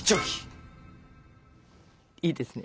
いいですね。